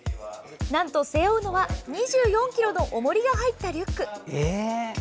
なんと、背負うのは２４ｋｇのおもりが入ったリュック。